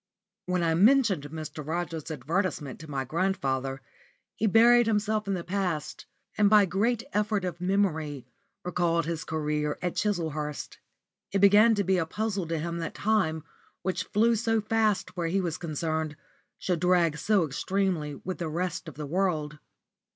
*_ When I mentioned Mr. Rogers's advertisement to my grandfather he buried himself in the past, and by great effort of memory re called his career at Chislehurst. It began to be a puzzle to him that time, which flew so fast where he was concerned, should drag so extremely with the rest of the world.